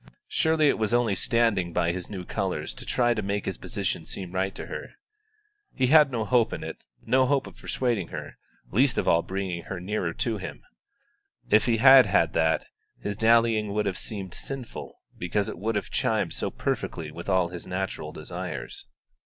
Surely it was only standing by his new colours to try to make his position seem right to her. He had no hope in it no hope of persuading her, least of all of bringing her nearer to him; if he had had that, his dallying would have seemed sinful, because it would have chimed so perfectly with all his natural desires.